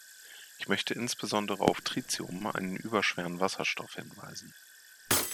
Ich möchte insbesondere auf Tritium, einen überschweren Wasserstoff, hinweisen.